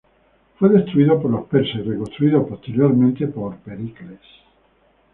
Fue destruido por los persas y reconstruido posteriormente por Pericles.